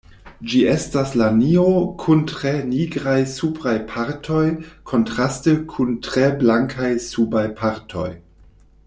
Ĝi estas lanio kun tre nigraj supraj partoj kontraste kun tre blankaj subaj partoj.